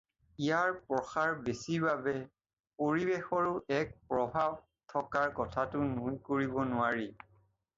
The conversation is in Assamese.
ইয়াৰ প্ৰসাৰ বেছি বাবে পৰিৱেশৰো এক প্ৰভাৱ থকাৰ কথাটো নুই কৰিব নোৱাৰি।